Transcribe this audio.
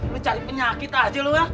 lo cari penyakit aja lo ah